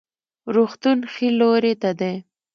روغتون ښي لوري ته دی